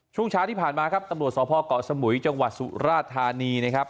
ช่วงเช้าที่ผ่านมาตศพกสมุยจศุราธารณี